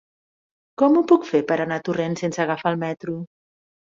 Com ho puc fer per anar a Torrent sense agafar el metro?